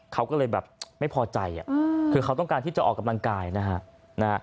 เขาก็เลยแบบไม่พอใจคือเขาต้องการที่จะออกกำลังกายนะฮะ